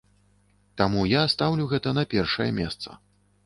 Таму я стаўлю гэта на першае месца.